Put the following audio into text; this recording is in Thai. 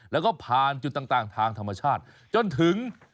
แล้วก็ผ่านจุดต่างทางธรรมชาติจนถึง